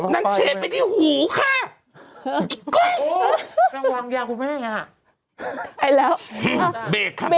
นั่งเช่ไปที่หูค่ะไอ้กุ้ยแม่งวางยาพูดแม่งเลยค่ะเอ๋ยแล้วเบรกครับ